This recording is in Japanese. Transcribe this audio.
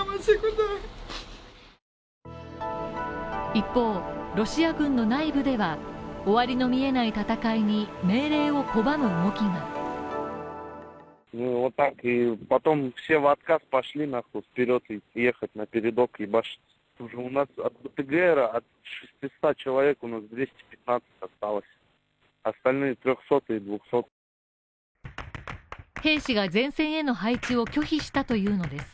一方、ロシア軍の内部では、終わりの見えない戦いに命令を拒む動きが兵士が前線への配置を拒否したというのです。